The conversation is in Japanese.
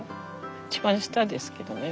一番下ですけどね。